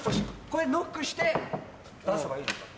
これノックして話せばいいのか。